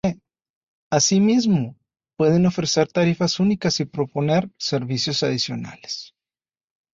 Asimismo, pueden ofrecer tarifas únicas y proponer servicios adicionales.